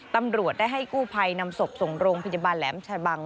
ตำรวจได้ให้กู้ภัยนำศพส่งโรงพยาบาลแหลมชะบัง